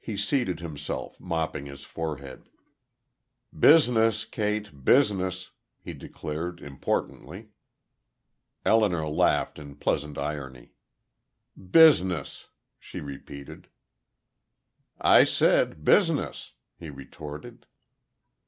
He seated himself, mopping his forehead. "Business, Kate. Business," he declared, importantly. Elinor laughed in pleasant irony. "Business!" she repeated. "I said, 'business,'" he retorted.